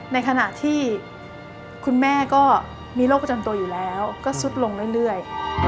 ในขณะที่คุณแม่ก็มีโรคประจำตัวอยู่แล้วก็ซุดลงเรื่อย